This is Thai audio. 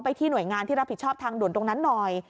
ที่หน่วยงานที่รับผิดชอบทางด่วนตรงนั้นหน่อย